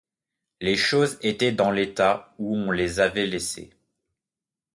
Les choses étaient dans l’état où on les avait laissées